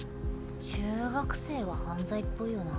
中学生は犯罪っぽいよな。